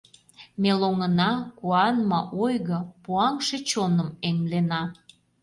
Ме лоҥына: куан ма ойго, Пуаҥше чоным эмлена.